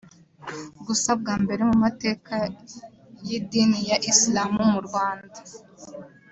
Gusa bwa mbere mu mateka y’Idini ya Islam mu Rwanda